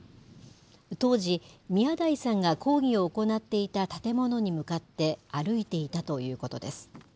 当時、宮台さんが講義を行っていた建物に向かって歩いていたということです。